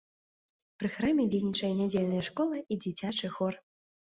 Пры храме дзейнічае нядзельная школа і дзіцячы хор.